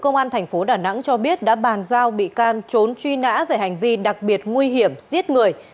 công an thành phố đà nẵng cho biết đã bàn giao bị can trốn truy nã về hành vi đặc biệt nguy hiểm giết người